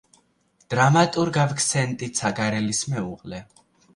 დრამატურგ ავქსენტი ცაგარელის მეუღლე.